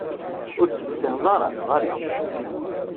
Ur tt-tessineḍ ara, neɣ ala?